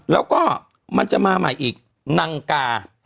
แล้วก็มันจะมาใหม่อีกนังกา